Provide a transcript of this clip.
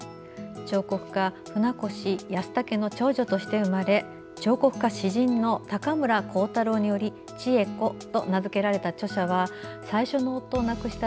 彫刻家・舟越保武の長女として生まれ彫刻家・詩人の高村光太郎により千枝子と名付けられた著者は最初の夫を亡くした